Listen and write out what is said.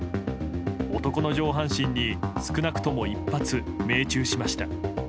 男の上半身に少なくとも１発命中しました。